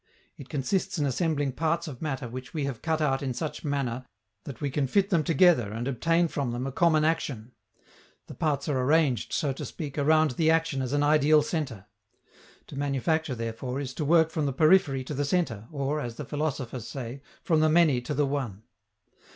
It consists in assembling parts of matter which we have cut out in such manner that we can fit them together and obtain from them a common action. The parts are arranged, so to speak, around the action as an ideal centre. To manufacture, therefore, is to work from the periphery to the centre, or, as the philosophers say, from the many to the one.